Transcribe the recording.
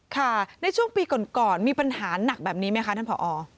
ค่ะในช่วงปีก่อนมีปัญหาหนักแบบนี้ไหมคะท่านผอ